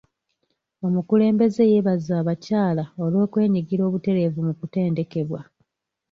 Omukulembeze yeebaza abakyala olw'okwenyigira obutereevu mu kutendekebwa.